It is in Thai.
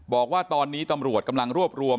บอกว่าตอนนี้ตำรวจกำลังรวบรวม